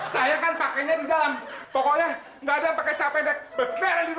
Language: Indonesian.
saya kan pakainya di dalam pokoknya enggak ada pakai capek